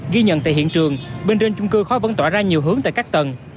ghi nhận tại hiện trường bên trên chung cư khói vẫn tỏa ra nhiều hướng tại các tầng